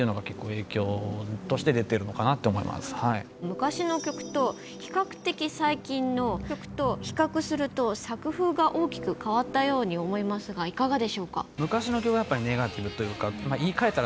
昔の曲と比較的最近の曲と比較すると作風が大きく変わったように思いますがいかがでしょうか？